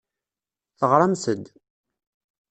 Teɣramt-d.